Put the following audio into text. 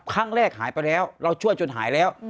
ครั้งแรกหายไปแล้วเราช่วยจนหายแล้ว